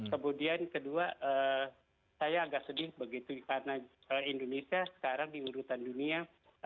kemudian kedua saya agak sedih karena indonesia sekarang di urutan dunia